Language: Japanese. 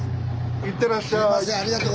行ってらっしゃい。